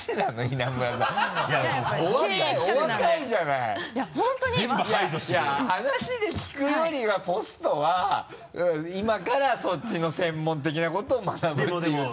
いや話で聞くよりはポストは今からそっちの専門的なことを学ぶっていう立場だと。